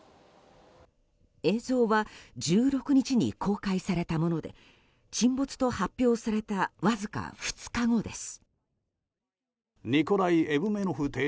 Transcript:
映像は１６日に公開されたもので沈没と発表されたわずか２日後です。